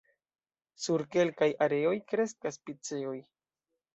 Sur kelkaj areoj kreskas piceoj.